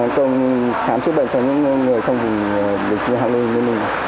công khám chức bệnh cho những người trong vùng hà nội